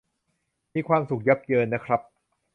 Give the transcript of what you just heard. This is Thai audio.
มีความสุขยับเยินนะครับ